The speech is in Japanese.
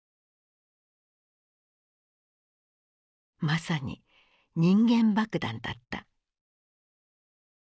まさに人間爆弾だった。